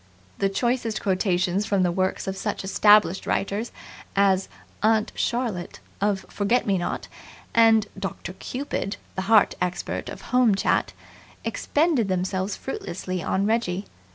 The choicest quotations from the works of such established writers as "Aunt Charlotte" of Forget Me Not and "Doctor Cupid", the heart expert of Home Chat, expended themselves fruitlessly on Reggie.